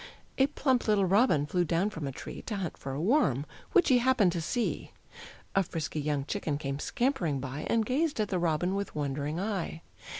A plump little robin flew down from a tree, To hunt for a worm, which he happened to see; A frisky young chicken came scampering by, And gazed at the robin with wondering eye.